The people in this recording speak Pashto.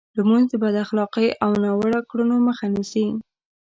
لمونځ د بد اخلاقۍ او ناوړو کړنو مخه نیسي.